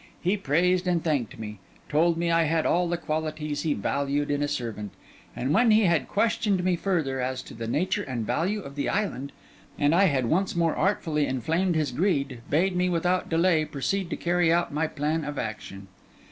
He praised and thanked me; told me I had all the qualities he valued in a servant; and when he had questioned me further as to the nature and value of the treasure, and I had once more artfully inflamed his greed, bade me without delay proceed to carry out my plan of action.